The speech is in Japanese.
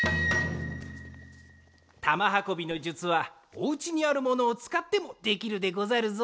玉はこびの術はお家にあるものをつかってもできるでござるぞ。